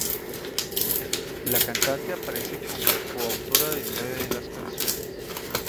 La cantante aparece como coautora de nueve de las canciones.